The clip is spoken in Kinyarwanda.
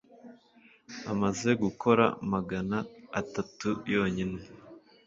Amaze gukora magana atatu yonyine